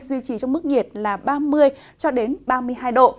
duy trì trong mức nhiệt là ba mươi ba mươi hai độ